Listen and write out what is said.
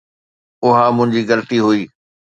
اها منهنجي غلطي هئي